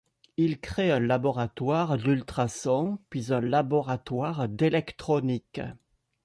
Il crée un laboratoire d’ultrasons, puis un laboratoire d’électronique.